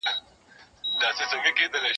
وخوره او ونغره فرق لري.